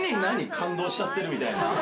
感動しちゃってるみたいな。